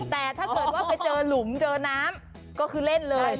แต่ถ้าเกิดว่าไปเจอหลุมเจอน้ำก็คือเล่นเลย